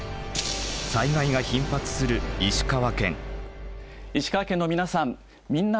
災害が頻発する石川県。